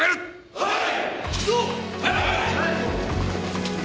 はい！